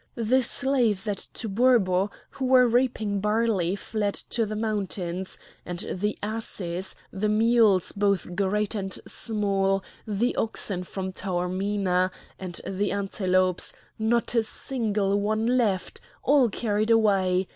The slaves at Tuburbo who were reaping barley fled to the mountains; and the asses, the mules both great and small, the oxen from Taormina, and the antelopes,—not a single one left! all carried away!